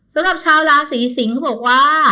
สำหรับชาวราศีสิงศ์เขาบอกว่า